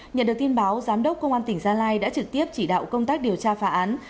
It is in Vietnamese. nhận được tin báo giám đốc công an tỉnh gia lai đã trực tiếp chỉ đạo công tác điều tra phá án